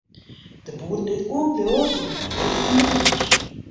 De boeren dy't oerbliuwe, wurde grutte ûndernimmers.